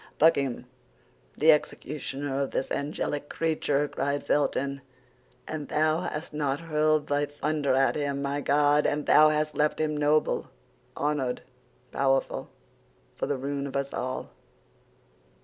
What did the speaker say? "Buckingham, the executioner of this angelic creature!" cried Felton. "And thou hast not hurled thy thunder at him, my God! And thou hast left him noble, honored, powerful, for the ruin of us all!"